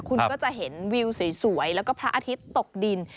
คุณก็จะเห็นวิวสวยแล้วก็พระอาทิตย์ตกดิน